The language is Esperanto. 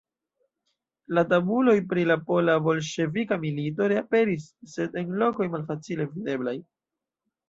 La tabuloj pri la pola-bolŝevika milito reaperis, sed en lokoj malfacile videblaj.